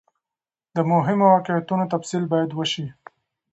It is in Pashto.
د مهمو واقعیتونو تفصیل باید وسي.